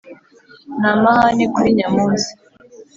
nta mahane kuri nyamunsi...